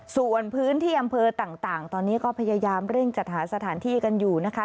ส่วนพื้นที่อำเภอต่างตอนนี้ก็พยายามเร่งจัดหาสถานที่กันอยู่นะคะ